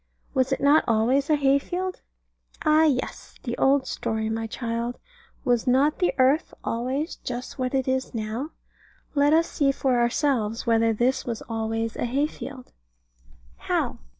Was it not always a hay field? Ah, yes; the old story, my child: Was not the earth always just what it is now? Let us see for ourselves whether this was always a hay field. How?